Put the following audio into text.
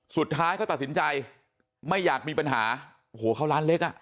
สุดท้ายเขาตัดสินใจไม่อยากมีปัญหาโอ้โหเขาร้านเล็กอ่ะ